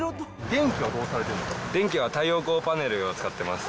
電気は太陽光パネルを使ってます。